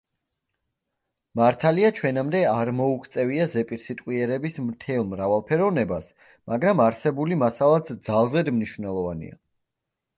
მართალია, ჩვენამდე არ მოუღწევია ზეპირსიტყვიერების მთელ მრავალფეროვნებას, მაგრამ, არსებული მასალაც ძალზედ მნიშვნელოვანია.